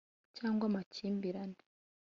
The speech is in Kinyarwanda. cyangwa amakimbirane